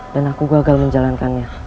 dan aku gagal menjalankannya